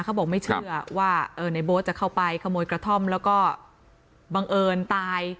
เขาบอกไม่เชื่อว่าในโบ๊ทจะเข้าไปขโมยกระท่อมแล้วก็บังเอิญตาย